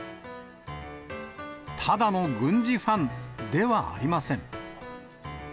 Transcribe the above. ただの軍事ファンではありません。